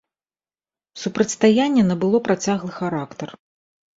Супрацьстаянне набыло працяглы характар.